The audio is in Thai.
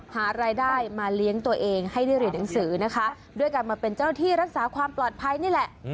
หารายได้มาเลี้ยงตัวเองให้ได้เรียนหนังสือนะคะด้วยการมาเป็นเจ้าหน้าที่รักษาความปลอดภัยนี่แหละ